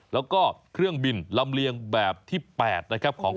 แล้วก็เครื่องบินลำเลียงแบบที่๘นะครับของ